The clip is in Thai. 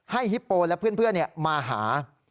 ฮิปโปและเพื่อนมาหา